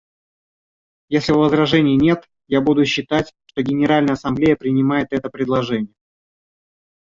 Если возражений нет, я буду считать, что Генеральная Ассамблея принимает это предложение.